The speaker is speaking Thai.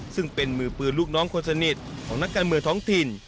ซึ่งเป็นมือปืนลูกน้องคนสนิทของนักการเมืองท้องถิ่น